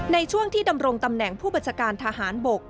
ในช่วงที่ดำรงตำแหน่งผู้บัญชาการทหารบก